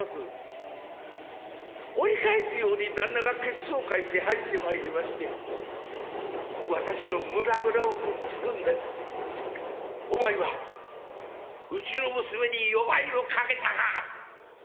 折り返すように旦那が血相を変えて入ってまいりまして私の胸ぐらをつくんで『お前はうちの娘に夜ばいをかけたか！』。